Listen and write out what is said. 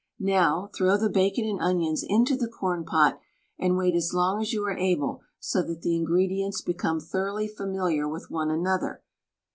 Now throw the bacon and onions into the corn pot and wait as long as you are able so that the ingredients become thoroughly familiar with one another.